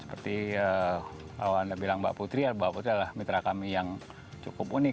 seperti yang anda bilang mbak putri adalah mitra kami yang cukup unik